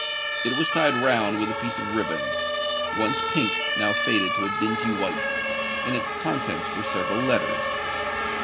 It was tied round with a piece of riband—once pink, now faded to a dingy white; and its contents were several letters.